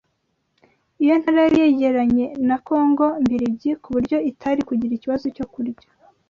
iyo ntara yari yegeranye na Congo Mbiligi ku buryo itari kugira ikibazo cyo kurya